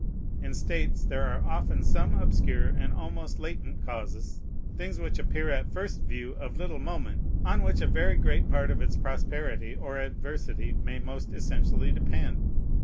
In states there are often some obscure and almost latent causes, things which appear at first view of little moment, on which a very great part of its prosperity or adversity may most essentially depend.